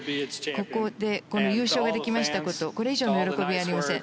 ここで優勝できましたことこれ以上の喜びはありません。